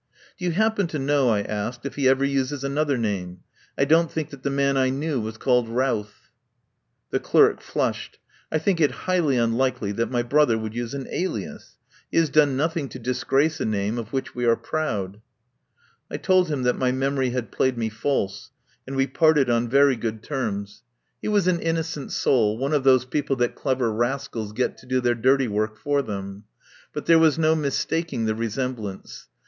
"Do you happen to know," I asked, "if he ever uses another name? I don't think that the man I knew was called Routh." The clerk flushed. "I think it highly un likely that my brother would use an alias. He has done nothing to disgrace a name of which we are proud." I told him that my memory had played me false, and we parted on very good terms. He 9 8 THE TRAIL OF THE SUPER BUTLER was an innocent soul, one of those people that clever rascals get to do their dirty work for them. But there was no mistaking the resem blance.